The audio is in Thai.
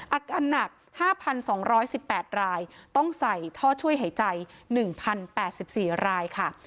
อาการหนัก๕๒๑๘รายต้องใส่ท่อช่วยหายใจ๑๐๘๔รายค่ะ